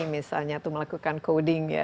misalnya atau melakukan coding ya